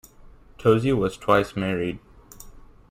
Tozzi was twice married.